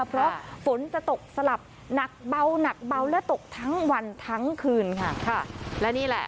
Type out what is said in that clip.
เพราะฝนจะตกสลับนักเบาแล้วอุดทั้งวันทั้งคืน